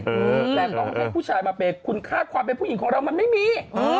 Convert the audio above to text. แต่ต้องให้ผู้ชายมาเปย์คุณค่าความเป็นผู้หญิงของเรามันไม่มี